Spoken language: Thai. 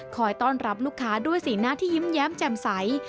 ต้อนรับลูกค้าด้วยสีหน้าที่ยิ้มแย้มแจ่มใส